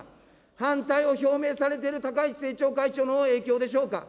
反対を表明されている高市政調会長の影響でしょうか。